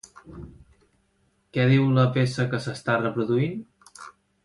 Què diu la peça que s'està reproduint?